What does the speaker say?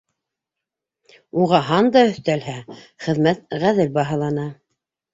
Уға һан да өҫтәлһә, хеҙмәт ғәҙел баһалана.